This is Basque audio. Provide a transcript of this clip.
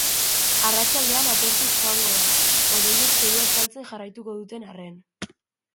Arratsaldean atertuz joango da, hodeiek zerua estaltzen jarraituko duten arren.